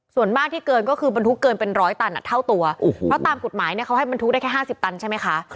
ส่วนมากที่เกินก็คือบรรทุกเกินเป็น๑๐๐ตันเท่าตัวมันตามกรุฆหมายเนี่ยเขาให้บรรทุกได้แค่๕๐ตันใช้ไม่คะ